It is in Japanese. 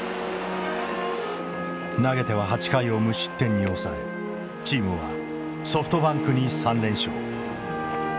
投げては８回を無失点に抑えチームはソフトバンクに３連勝。